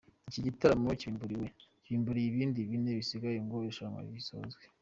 Iki gitaramo kibimburiye ibindi bine bisigaye ngo irushanwa risozwe.